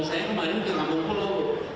saya kemarin ke kampung pulau